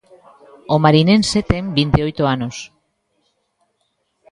O marinense ten vinte e oito anos.